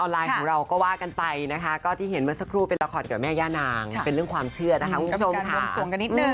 แล้วเขาเอาเลขมาจากไหนกัน